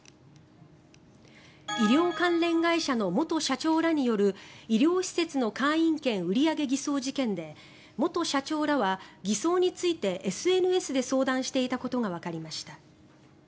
医療関連会社の元社長らによる医療施設の会員権売り上げ偽造事件で元社長らは偽装についてＳＮＳで相談していたことがわかりました。